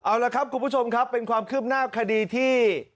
เอาละครับคุณผู้ชมครับเป็นความคืบหน้าคดีที่